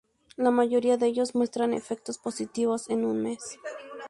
La mayoría de ellos muestran efectos positivos en un mes.